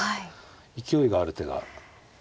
勢いがある手が。